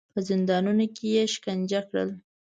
په زندانونو کې یې شکنجه کړل.